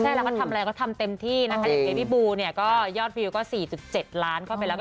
เต้นแรงอะไรอย่างนี้เรารู้สึกยังไงบ้าง